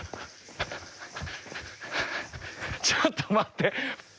ちょっと待って。